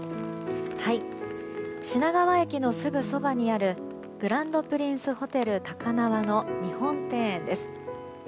品川駅のすぐそばにあるグランドプリンスホテル高輪の日本庭園です。